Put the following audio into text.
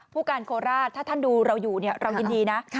ผู้การโคราชถ้าท่านดูเราอยู่เรายินดีนะ